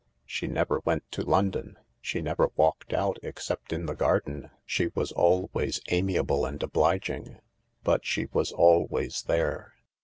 She never went to London. She never walked out, except in the garden. She was always amiable and obliging — but she was always there.